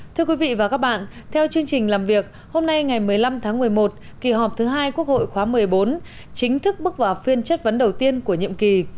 thưa quý vị và các bạn theo chương trình làm việc hôm nay ngày một mươi năm tháng một mươi một kỳ họp thứ hai quốc hội khóa một mươi bốn chính thức bước vào phiên chất vấn đầu tiên của nhiệm kỳ